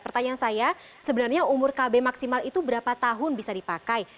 pertanyaan saya sebenarnya umur kb maksimal itu berapa tahun bisa dipakai